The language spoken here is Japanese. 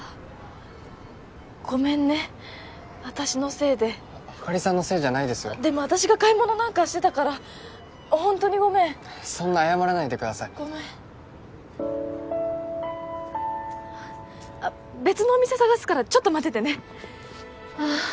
ごめんね私のせいであかりさんのせいじゃないですよでも私が買い物なんかしてたからホントにごめんそんな謝らないでくださいごめん別のお店探すからちょっと待っててねああ